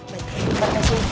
baik terima kasih